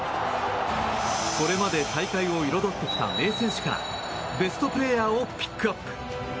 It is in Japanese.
これまで大会を彩ってきた名選手からベストプレーヤーをピックアップ。